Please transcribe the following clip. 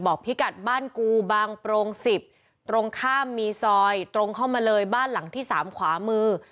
พิกัดบ้านกูบางโปรง๑๐ตรงข้ามมีซอยตรงเข้ามาเลยบ้านหลังที่๓ขวามือ